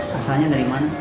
kasahnya dari mana